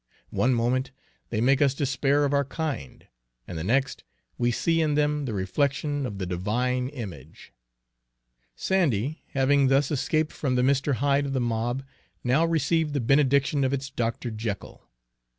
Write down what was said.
One moment they make us despair of our kind, and the next we see in them the reflection of the divine image. Sandy, having thus escaped from the Mr. Hyde of the mob, now received the benediction of its Dr. Jekyll.